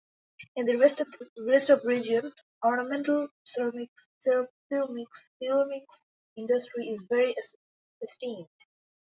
In the rest of Region, ornamental ceramics industry is very esteemed.